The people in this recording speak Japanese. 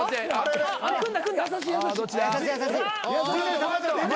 優しい優しい。